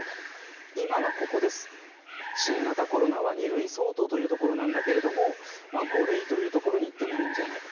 新型コロナは、２類相当というところなんだけれども５類というところにいってもいいんじゃないか。